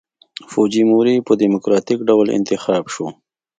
فوجیموري په ډیموکراټیک ډول انتخاب شو.